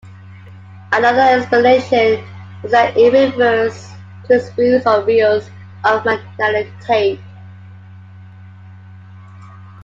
Another explanation is that it refers to "spools" or reels of magnetic tape.